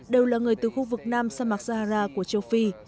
đều là người từ khu vực nam samarkzahara của châu phi